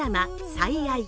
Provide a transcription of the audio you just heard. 「最愛」。